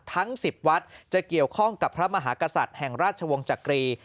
ทั้ง๑๐วัดจะเกี่ยวข้องกับพระมหากษัตริย์แห่งราชวงศ์จักรี